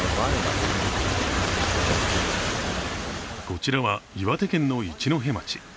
こちらは岩手県の一戸町。